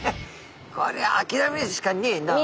これはあきらめるしかねえな。